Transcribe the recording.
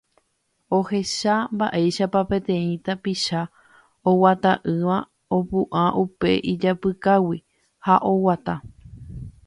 ohecha mba'éichapa peteĩ tapicha oguata'ỹva opu'ã upe ijapykágui ha oguata.